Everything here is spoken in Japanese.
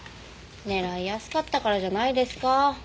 狙いやすかったからじゃないですか？